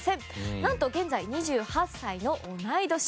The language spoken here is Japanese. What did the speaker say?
何と、現在２８歳の同い年。